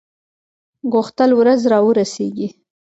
غوښتل ورځ را ورسیږي.